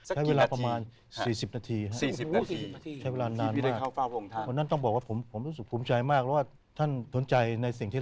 ใช้เวลาประมาณ๔๐นาที